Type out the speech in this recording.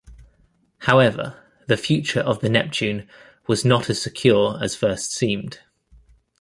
However, the future of the Neptune was not as secure as first seemed.